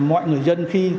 mọi người dân khi